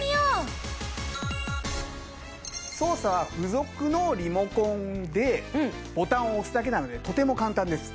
操作は付属のリモコンでボタンを押すだけなのでとても簡単です。